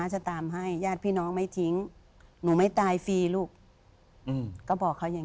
จะตามให้ญาติพี่น้องไม่ทิ้งหนูไม่ตายฟรีลูกก็บอกเขาอย่าง